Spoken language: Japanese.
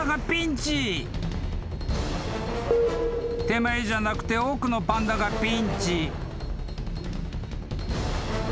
［手前じゃなくて奥のパンダがピンチ］